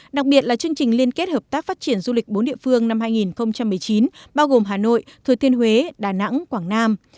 đặc biệt là chương trình liên kết hợp tác phát triển du lịch bốn địa phương năm hai nghìn một mươi chín bao gồm hà nội thừa thiên huế đà nẵng quảng nam